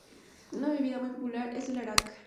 Una bebida muy popular es el "arak".